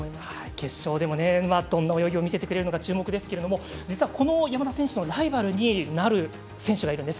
決勝でもどんな泳ぎを見せてくれるのか注目ですが実はこの山田選手のライバルになる選手がいるんです。